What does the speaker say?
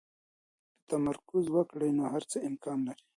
که تمرکز وکړئ، نو هر څه امکان لري.